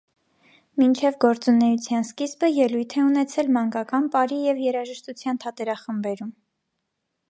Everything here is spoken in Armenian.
Մինչև գործունեության սկիզբը ելույթ է ունեցել մանկական պարի և երաժշտության թատերախմբերում։